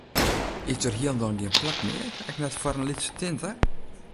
Is der hielendal gjin plak mear, ek net foar in lytse tinte?